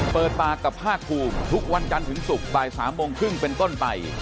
เปิดปากกับภาคภูมิทุกวันจันทร์ถึงศุกร์บ่าย๓โมงครึ่งเป็นต้นไป